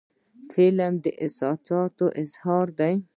فلم د احساساتو اظهار دی